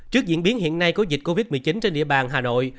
trước diễn biến hiện nay của dịch covid một mươi chín trên địa bàn hà nội